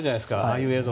ああいう映像。